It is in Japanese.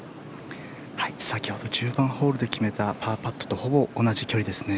先ほど１０番ホールで決めたパーパットとほぼ同じ距離ですね。